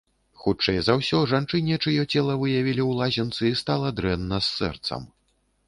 Хутчэй за ўсё, жанчыне, чыё цела выявілі ў лазенцы, стала дрэнна з сэрцам.